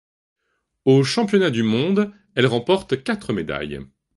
Aux Championnats du monde, elle remporte quatre médailles.